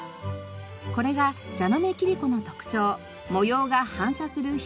これが蛇ノ目切子の特徴模様が反射する秘密です。